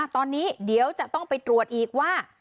ตอนนี้เดี๋ยวจะต้องไปตรวจอีกว่า